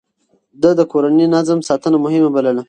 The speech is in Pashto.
ده د کورني نظم ساتنه مهمه بلله.